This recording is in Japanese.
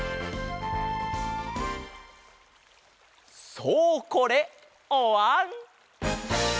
そうこれおわん！